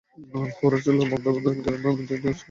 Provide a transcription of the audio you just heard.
ওরা ছিল আমার বান্দাগণের মধ্যে দুজন সৎকর্মপরায়ণ বান্দার অধীন।